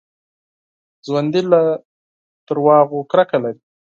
ژوندي له دروغو کرکه لري